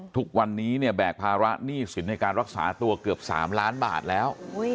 ทุกวันนี้เนี่ยแบกภาระหนี้สินในการรักษาตัวเกือบ๓ล้านบาทแล้ว